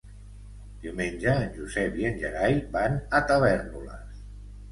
Diumenge en Josep i en Gerai van a Tavèrnoles.